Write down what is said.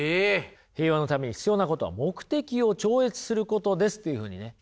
「平和のために必要なことは目的を超越することです」というふうにね。